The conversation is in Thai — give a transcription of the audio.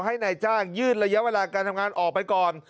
ให้นายจ้างยืดระยะเวลาการทำงานออกไปก่อน